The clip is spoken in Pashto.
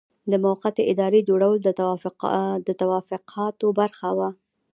د موقتې ادارې جوړول د توافقاتو برخه وه.